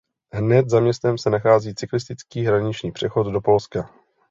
Hned za městem se nachází cyklistický hraniční přechod do Polska.